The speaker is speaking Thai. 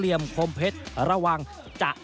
เตรียมป้องกันแชมป์ที่ไทยรัฐไฟล์นี้โดยเฉพาะ